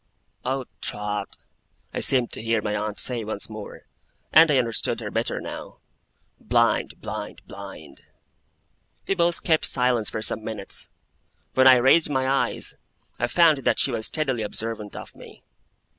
'Oh, Trot,' I seemed to hear my aunt say once more; and I understood her better now 'Blind, blind, blind!' We both kept silence for some minutes. When I raised my eyes, I found that she was steadily observant of me.